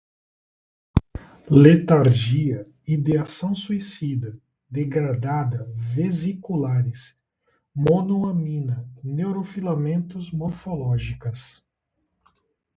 letargia, ideação suicida, degrada, vesiculares, monoamina, neurofilamentos, morfológicas